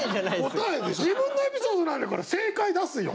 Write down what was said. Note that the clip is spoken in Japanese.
自分のエピソードなんだから正解出すよ。